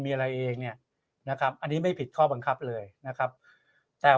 มีอะไรเองเนี่ยนะครับอันนี้ไม่ผิดข้อบังคับเลยนะครับแต่